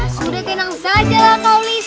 sudah tenang saja lah kawlis